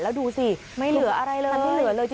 แล้วดูสิไม่เหลืออะไรเลย